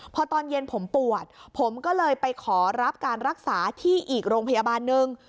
พอตอนเย็นผมปวดผมก็เลยไปขอรับการรักษาที่อีกโรงพยาบาลหนึ่ง